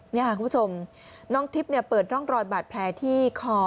นี่ค่ะคุณผู้ชมน้องทิพย์เปิดร่องรอยบาดแผลที่คอ